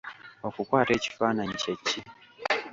Okukwata ekifaananyi kye ki?